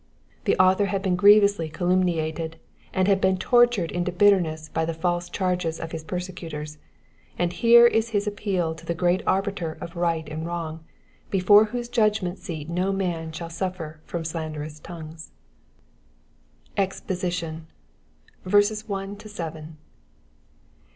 The author had been grievous^ oatumniaied, and had been tortured into bitterness bu the false charges of his persecutors, and here is lus apped to ihe great Arbiter cf right and wrong, before whose judgment seal no man shall suffer from slanderous tongues, EXPOSITION.